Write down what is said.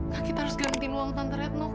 kak kita harus ganti uang tante retno kak